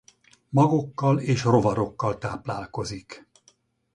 Magokkal és rovarokkal táplálkozik.